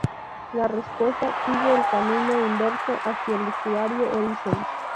La respuesta sigue el camino inverso hacia el usuario origen.